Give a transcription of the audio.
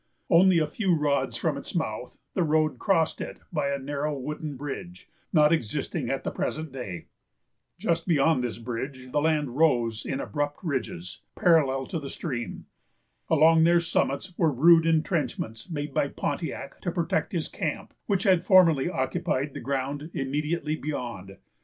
Only a few rods from its mouth, the road crossed it by a narrow wooden bridge, not existing at the present day. Just beyond this bridge, the land rose in abrupt ridges, parallel to the stream. Along their summits were rude intrenchments made by Pontiac to protect his camp, which had formerly occupied the ground immediately beyond.